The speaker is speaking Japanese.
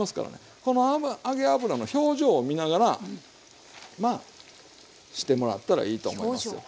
この揚げ油の表情を見ながらまあしてもらったらいいと思いますよ。